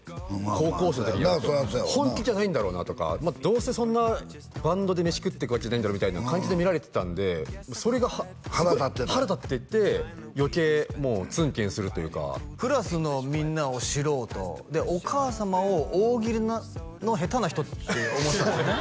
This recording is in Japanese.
高校生の時に本気じゃないんだろうなとかどうせそんなバンドで飯食ってくわけじゃないんだろみたいな感じで見られてたんでそれが腹立っていって余計もうツンケンするというかクラスのみんなを素人でお母様を大喜利の下手な人って思ってたんですよね？